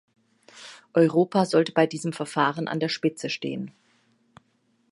Europa sollte bei diesem Verfahren an der Spitze stehen.